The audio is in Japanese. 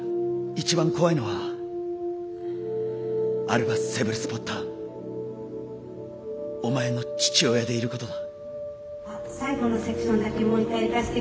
一番怖いのはアルバス・セブルス・ポッターお前の父親でいることだ。